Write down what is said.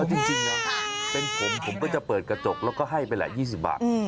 จริงนะเป็นผมผมก็จะเปิดกระจกแล้วก็ให้ไปแหละ๒๐บาท